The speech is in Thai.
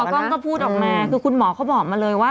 กล้องก็พูดออกมาคือคุณหมอเขาบอกมาเลยว่า